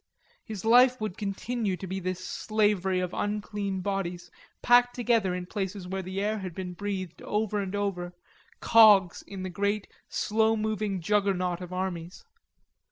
His life would continue to be this slavery of unclean bodies packed together in places where the air had been breathed over and over, cogs in the great slow moving Juggernaut of armies.